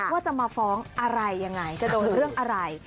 ว่าจะมาฟ้องอะไรยังไงจะโดนเรื่องอะไร